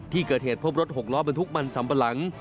ที่เกิดเหตุพบรถหกล้อบรรทุกมันสัมปะหลัง